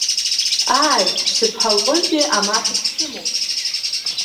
Ааи, сыԥҳа лҟынтәи амаҭа дсымоуп.